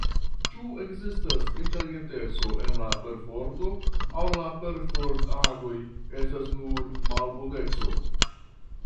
Ĉu ekzistas inteligenteco en la perforto, aŭ la perfort-agoj estas nur malboneco?